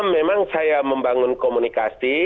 memang saya membangun komunikasi